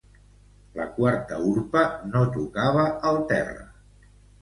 La quarta urpa no tocava el terra.